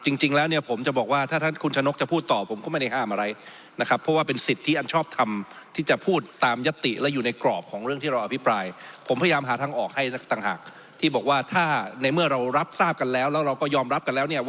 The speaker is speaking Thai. จริงแล้วเนี่ยผมจะบอกว่าถ้าท่านคุณชนกจะพูดต่อผมก็ไม่ได้ห้ามอะไรนะครับ